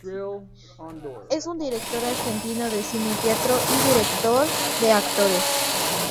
Es un director argentino de cine, teatro y director de actores.